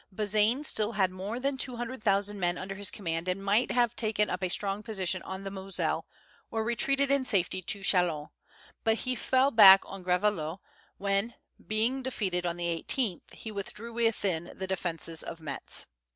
Bazaine still had more than two hundred thousand men under his command, and might have taken up a strong position on the Moselle, or retreated in safety to Chalons; but he fell back on Gravelotte, when, being defeated on the 18th, he withdrew within the defences of Metz.